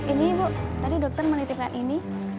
ini ibu tadi dokter menitipkan ini